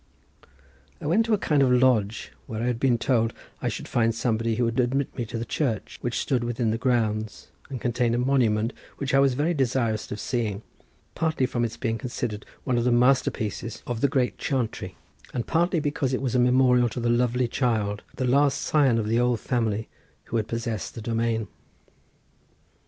I went to a kind of lodge, where I had been told that I should find somebody who would admit me to the church, which stood within the grounds and contained a monument which I was very desirous of seeing, partly from its being considered one of the masterpieces of the great Chantrey, and partly because it was a memorial to the lovely child, the last scion of the old family who had possessed the domain.